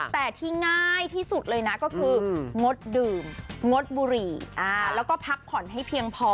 แต่ที่ง่ายที่สุดเลยนะก็คืองดดื่มงดบุหรี่แล้วก็พักผ่อนให้เพียงพอ